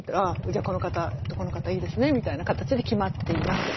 じゃあこの方この方いいですねみたいな形で決まっています。